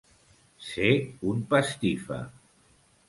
Ser un pastifa.